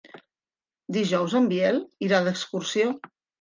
Dijous en Biel irà d'excursió.